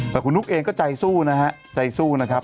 แต่คุณนุ๊กเองก็ใจสู้นะครับ